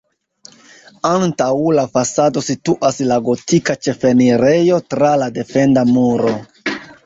Antaŭ la fasado situas la gotika ĉefenirejo tra la defenda muro.